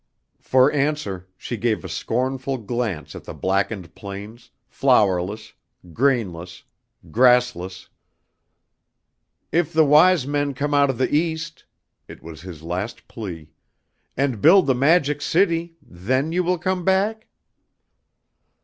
For answer, she gave a scornful glance at the blackened plains, flowerless, grainless, grassless. "If the Wise Men come out of the East," it was his last plea, "and build the Magic City, then you will come back?"